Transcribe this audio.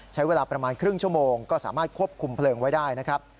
ใช้เวลาประมาณครึ่งชั่วโมงก็สามารถควบคุมเพลิงไว้ได้นะครับ